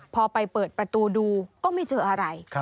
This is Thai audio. พอไปเปิดประตูดูก็ไม่เจออะไร